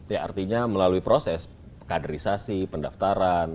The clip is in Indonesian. ya artinya melalui proses kaderisasi pendaftaran